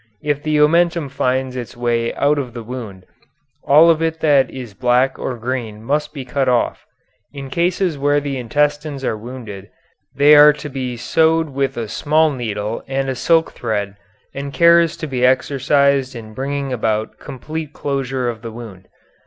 If the omentum finds its way out of the wound, all of it that is black or green must be cut off. In cases where the intestines are wounded they are to be sewed with a small needle and a silk thread and care is to be exercised in bringing about complete closure of the wound.